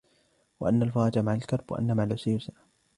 وَأَنَّ الْفَرَجَ مَعَ الْكَرْبِ، وَأَنَّ مَعَ الْعُسْرِ يُسْرًا